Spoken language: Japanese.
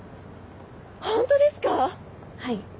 ホントですか⁉はい。